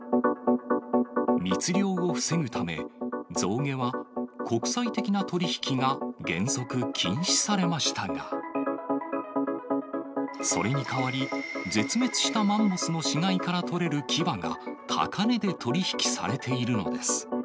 密猟を防ぐため、象牙は国際的な取り引きが原則禁止されましたが、それに代わり、絶滅したマンモスの死骸から取れる牙が、高値で取り引きされているのです。